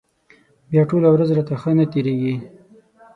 بیا ټوله ورځ راته ښه نه تېرېږي.